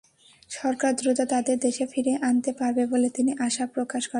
সরকার দ্রুত তাদের দেশে ফিরিয়ে আনতে পারবে বলে তিনি আশা প্রকাশ করেন।